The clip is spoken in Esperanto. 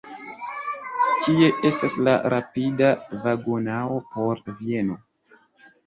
Kie estas la rapida vagonaro por Vieno?